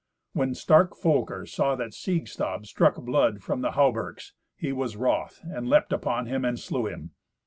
When stark Folker saw that Siegstab struck blood from the hauberks, he was wroth, and leapt upon him and slew him.